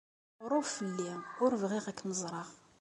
Ṛuf fell-i. Ur bɣiɣ ad kem-ẓreɣ.